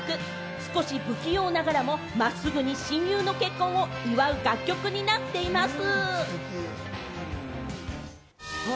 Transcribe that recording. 少し不器用ながらも真っすぐに親友の結婚を祝う楽曲になっています。